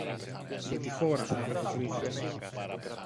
Για τη χώρα, του αποκρίθηκαν.